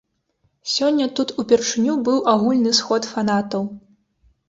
Сёння тут упершыню быў агульны сход фанатаў.